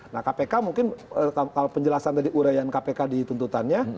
nah kpk mungkin kalau penjelasan tadi urayan kpk di tuntutannya